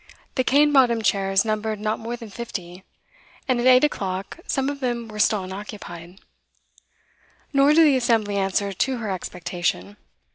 The cane bottomed chairs numbered not more than fifty, and at eight o'clock some of them were still unoccupied. Nor did the assembly answer to her expectation.